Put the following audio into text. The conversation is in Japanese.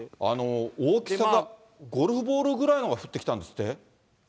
大きさがゴルフボールぐらいのが降ってきたんですって？